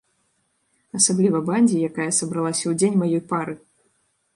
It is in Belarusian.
Асабліва бандзе, якая сабралася ў дзень маёй пары.